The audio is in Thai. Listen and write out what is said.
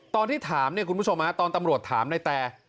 ตอนที่ถามเนี่ยคุณผู้ชมตอนตำรวจถามในแต่